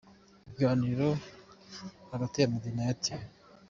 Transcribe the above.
Ibiganiro hagati ya Meddy na Airtel.